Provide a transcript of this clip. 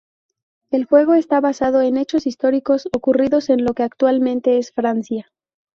El juego está basado en hechos históricos ocurridos en lo que actualmente es Francia.